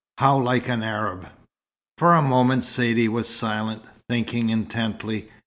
How like an Arab!" For a moment Saidee was silent, thinking intently.